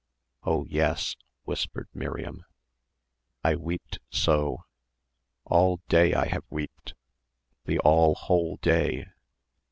"Oh, yes," whispered Miriam. "I weeped so! All day I have weeped! The all whole day!